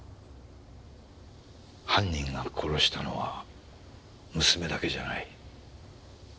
犯人が殺したのは娘だけじゃない。